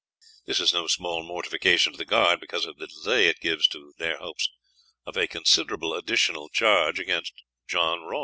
This is no small mortifican to the guard because of the delay it give to there hopes of a Considerable additionall charge agt John Roy.